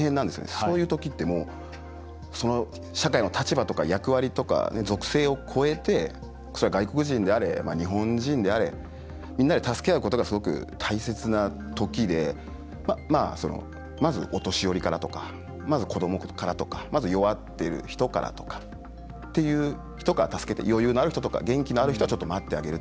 そういうときってその社会の立場とか役割とかの属性を超えて、外国人であれ日本人であれみんなで助け合うことがすごく大切なときでまず、お年寄りからとかまず子どもからとかまず弱っている人からとかそういう人から助けて、余裕のある人とか元気のある人は待ってあげる。